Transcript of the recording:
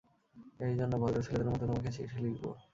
এই জন্য, ভদ্র ছেলেদের মতো তোমাকে চিঠি লিখবো।